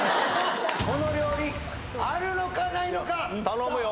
この料理あるのかないのか頼むよ